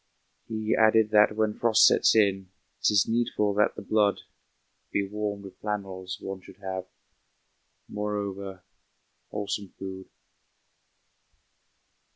He added that when frost sets in 'Tis needful that the blood Be warmed with flannels; one should have, Moreover, wholesome food.